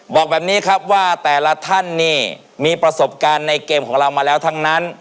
บอกแบบนี้ครับว่าแต่ละท่านนี่มีประสบการณ์ในเกมของเรามาแล้วทั้งนั้น